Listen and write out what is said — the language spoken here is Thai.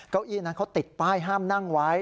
เก้าอี้นั้นเขาติดป้ายห้ามนั่งไว้